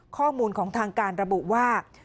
ข้อมูลของทางการระบุว่า